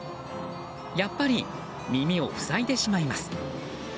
やっぱり耳を塞いでしまいます。